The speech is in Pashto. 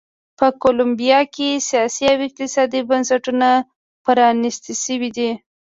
په کولمبیا کې سیاسي او اقتصادي بنسټونه پرانیست شوي دي.